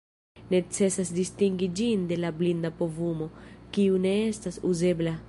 Necesas distingi ĝin de la blinda povumo, kiu ne estas uzebla.